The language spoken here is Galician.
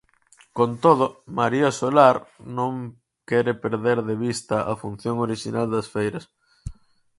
Con todo, María Solar non quere perder de vista a función orixinal das feiras.